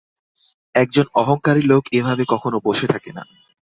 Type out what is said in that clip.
এক জন অহঙ্কারী লোক এভাবে কখনো বসে না।